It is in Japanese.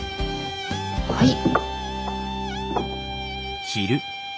はい。